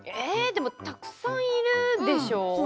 たくさんいるでしょう。